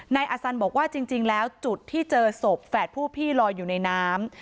นายอสันบอกว่าจริงแล้วจุดที่เจอศพแฝดผู้พี่ลอยอยู่ในน้ำ